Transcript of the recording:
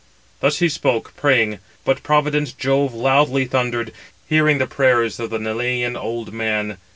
Thus he spoke, praying: but provident Jove loudly thundered, hearing the prayers of the Neleïan old man.